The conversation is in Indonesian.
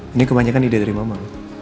ini kebanyakan ide dari mama